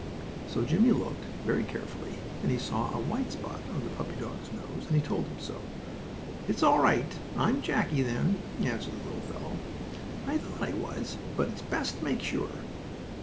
So Jimmie looked, very carefully, and he saw a white spot on the puppy dog's nose, and told him so. "It's all right. I'm Jackie then," answered the little fellow. "I thought I was, but it's best to make sure."